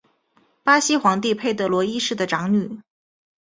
巴西皇帝佩德罗一世的长女。